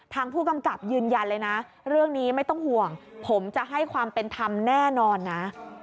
ทางผู้กำกับยืนยันเลยนะเรื่องนี้ไม่ต้องห่วงผมจะให้ความเป็นธรรมแน่นอนนะ